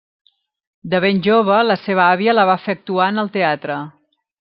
De ben jove la seva àvia la va fer actuar en el teatre.